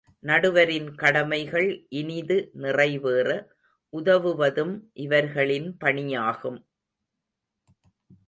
நடுவரின் கடமைகள் இனிது நிறைவேற உதவுவதும் இவர்களின் பணியாகும்.